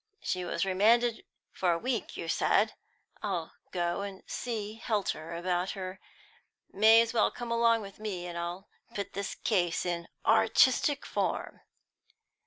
She was remanded for a week, you said? I'll go and see Helter about her. May as well come along with me, and put the case in 'artistic' form."